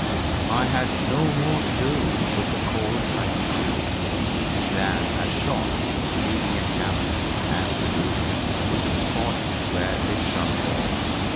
I had no more to do with the course I pursued than a shot leaving a cannon has to do with the spot where it shall fall."